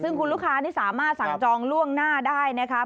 ซึ่งคุณลูกค้านี่สามารถสั่งจองล่วงหน้าได้นะคะ